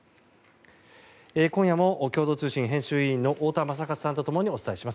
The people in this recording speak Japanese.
今夜も共同通信編集委員の太田昌克さんとともにお伝えします。